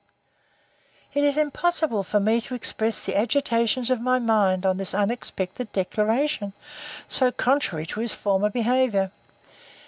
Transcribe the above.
It is impossible for me to express the agitations of my mind, on this unexpected declaration, so contrary to his former behaviour.